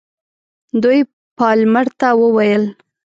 دوی پالمر ته وویل.